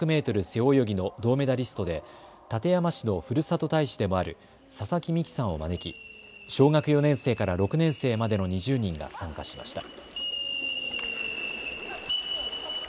背泳ぎの銅メダリストで館山市のふるさと大使でもある佐々木美樹さんを招き小学４年生から６年生までの２０人が参加しました。